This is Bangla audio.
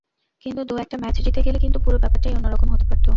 কিন্তু দু-একটা ম্যাচ জিতে গেলে কিন্তু পুরো ব্যাপারটাই অন্য রকম হতে পারত।